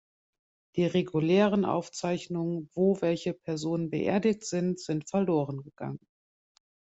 Die regulären Aufzeichnungen, wo welche Personen beerdigt sind, sind verloren gegangen.